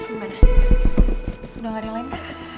gimana udah gak ada line